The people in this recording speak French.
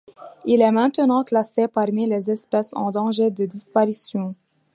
Il est maintenant classé parmi les espèces en danger de disparition.